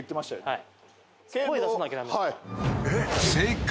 はい